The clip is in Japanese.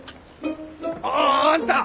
ああんた！